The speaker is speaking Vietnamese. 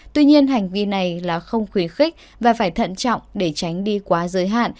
tuy nhiên hành vi này là không khuyến khích và phải thận trọng để tránh đi quá giới hạn